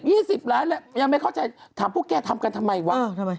ไม่ได้๑๐๒๐ร้านแหละยังไม่เข้าใจถามพวกแกทำกันทำไมวะ